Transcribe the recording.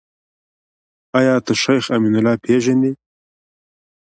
آيا ته شيخ امين الله پېژنې ؟